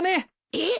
えっ！